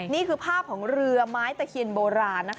นี่คือภาพของเรือไม้ตะเคียนโบราณ